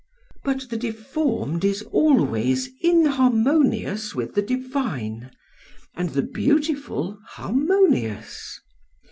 But the deformed is always inharmonious with the divine, and the beautiful harmonious.